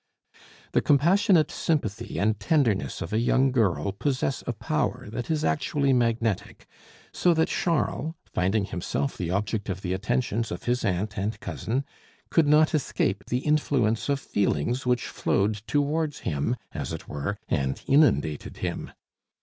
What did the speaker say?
The compassionate sympathy and tenderness of a young girl possess a power that is actually magnetic; so that Charles, finding himself the object of the attentions of his aunt and cousin, could not escape the influence of feelings which flowed towards him, as it were, and inundated him.